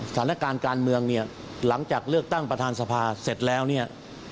สถานการณ์การเมืองเนี่ยหลังจากเลือกตั้งประธานสภาเสร็จแล้วเนี่ย